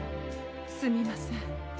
すみません。